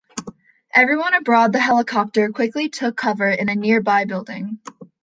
Everyone aboard the helicopter quickly took cover in a nearby building.